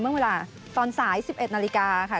เมื่อเวลาตอนสาย๑๑นาฬิกาค่ะ